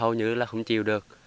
hầu như là không chịu được